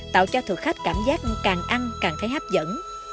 tạo cho thực khách cảm giác càng ăn càng thấy hấp dẫn